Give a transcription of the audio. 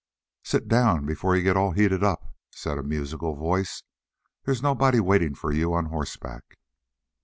"Sit down before you get all heated up," said a musical voice. "There's nobody waiting for you on horseback."